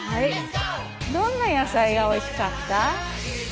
どんな野菜がおいしかった？